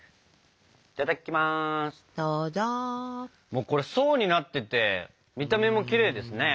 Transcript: もうこれ層になってて見た目もきれいですね。